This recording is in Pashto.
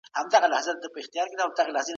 جوړونه وه، د پخواني نظام پر ضد، چي زیاتره یې د